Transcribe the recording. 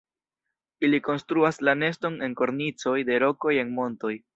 Ili konstruas la neston en kornicoj de rokoj en montoj.